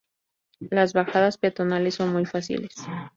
Las bajadas peatonales son muy fáciles.